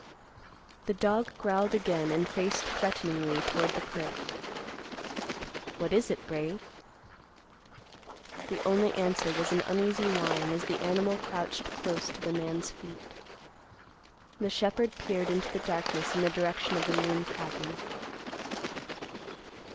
The dog growled again and faced threateningly toward the cliff. "What is it, Brave?" The only answer was an uneasy whine as the animal crouched close to the man's feet. The shepherd peered into the darkness in the direction of the ruined cabin.